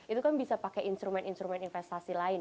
itu kan bisa pakai instrumen instrumen investasi lain